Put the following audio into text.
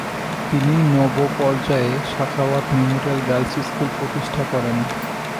তিনি নবপর্যায়ে ‘Sakhawat memorial girls school’ প্রতিষ্ঠা করেন।